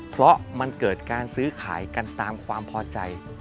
เพราะมันเกิดการซื้อขายกันตามความพอใจ